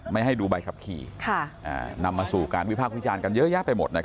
ไม่ให้ดูใบขับขี่นำมาสู่การวิพากษ์วิจารณ์กันเยอะแยะไปหมด